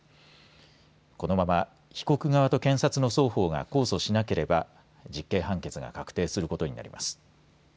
このまま被告側と検察の双方が控訴しなければ実刑判決が確定することになります。